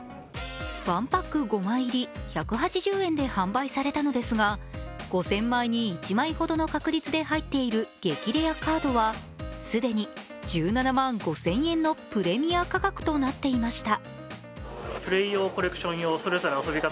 １パック５枚入り１８０円で販売されたのですが５０００枚に１枚ほどの確率で入っている激レアカードは既に１７万５０００円のプレミア価格となっていました。